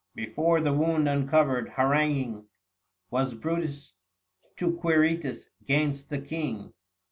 Before the wound uncovered, haranguing Was Brutus, to Quirites 'gainst the King.